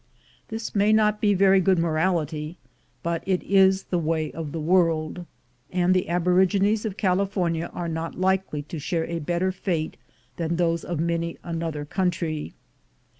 This may not be very good morality, but it is the way of the world, and the aborigines of California are not likely to share a better fate than those of many another country.